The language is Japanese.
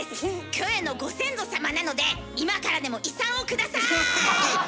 キョエのご先祖様なので今からでも遺産を下さい！